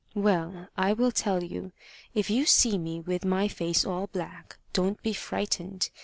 "Well, I will tell you. If you see me with my face all black, don't be frightened.